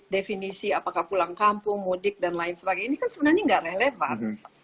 definisi apakah pulang kampung mudik dan lain sebagainya ini kan sebenarnya nggak relevan